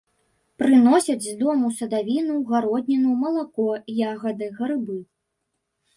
Прыносяць з дому садавіну, гародніну, малако, ягады, грыбы.